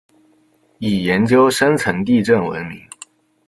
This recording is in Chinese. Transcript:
以研究深层地震闻名。